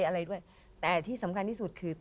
อะไรด้วยแต่ที่สำคัญที่สุดคือ